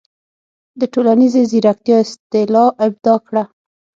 د"ټولنیزې زیرکتیا" اصطلاح ابداع کړه.